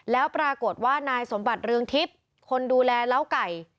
แล้วปรากฏว่านายสมบัติเรืองทิพย์คนดูแลเล้าไก่